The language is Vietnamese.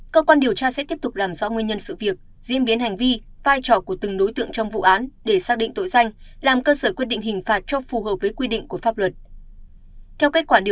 cơ quan điều tra sẽ tiếp tục làm rõ nguyên nhân sự việc diễn biến hành vi vai trò của từng đối tượng trong vụ án để xác định tội danh làm cơ sở quyết định hình phạt cho phù hợp với quy định của pháp luật